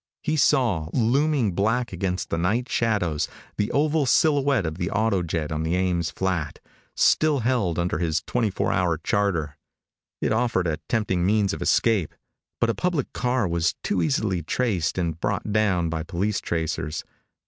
He saw, looming black against the night shadows, the oval silhouette of the autojet on the Ames flat, still held under his twenty four hour charter. It offered a tempting means of escape, but a public car was too easily traced and brought down by police tracers.